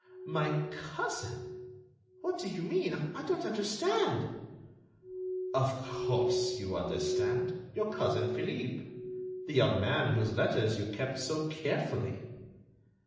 "My cousin! What do you mean? I don't understand." "Of course, you understand. Your cousin Philippe. The young man whose letters you kept so carefully."